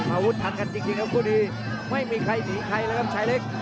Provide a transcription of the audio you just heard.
อาวุธทันกันจริงครับคู่นี้ไม่มีใครหนีใครแล้วครับชายเล็ก